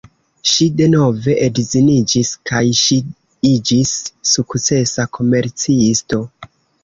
Ŝi denove edziniĝis kaj ŝi iĝis sukcesa komercisto.